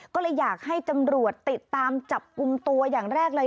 ก็เลยอยากให้ตำรวจติดตามจับกลุ่มตัวอย่างแรกเลย